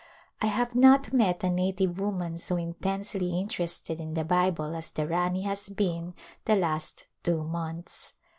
I have not met a native woman so intensely interested in the Bible as the Rani has been the last two months.